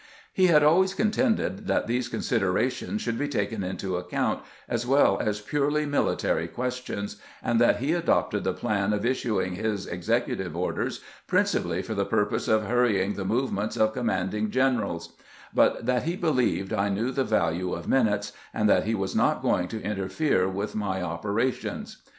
He had always contended that these considerations should be taken into account, as well as purely military ques tions, and that he adopted the plan of issuing his ' ex ecutive orders ' principally for the purpose of hurrying the movements of commanding generals; but that he believed I knew the value of minutes, and that he was not going to interfere with my operations.